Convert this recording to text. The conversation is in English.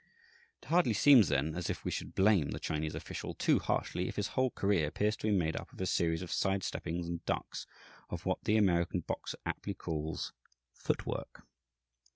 It hardly seems, then, as if we should blame the Chinese official too harshly if his whole career appears to be made up of a series of "side steppings" and "ducks" of what the American boxer aptly calls "foot work."